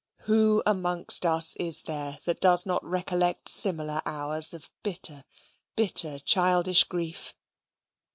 Who amongst us is there that does not recollect similar hours of bitter, bitter childish grief?